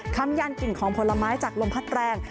คำยันกลิ่นของผลไม้จากลมพัดแรง